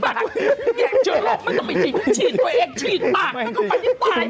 ภาคมัวจะไปบ่ะ